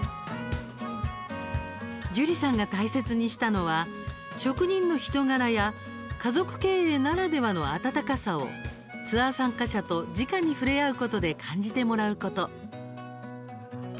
ジュリさんが大切にしたのは職人の人柄や家族経営ならではの温かさをツアー参加者と、じかに触れ合うことで感じてもらうこと。